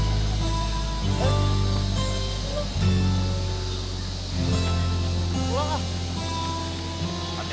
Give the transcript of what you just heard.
udah pulang ke jakarta mbah